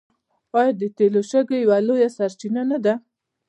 آیا د تیلو شګې یوه لویه سرچینه نه ده؟